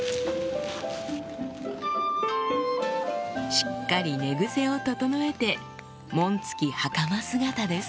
しっかり寝ぐせを整えて紋付きはかま姿です